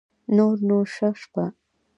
نور نو شه شپه